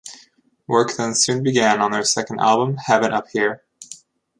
Work then soon began on their second album, "Heaven Up Here".